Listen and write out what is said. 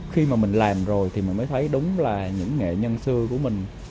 khi mà mình làm rồi thì mình mới thấy đúng là những nghệ nhân xưa của mình